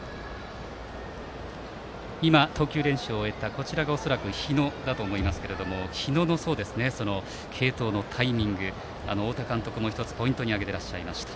今、投球練習を終えたのが日野だと思いますが日野への継投のタイミングを太田監督も１つポイントに挙げていらっしゃいました。